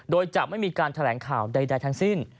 โดยจะไม่มีการแถลงข่าวใดทั้งสิ้น